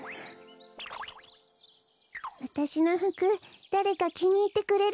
わたしのふくだれかきにいってくれるかな？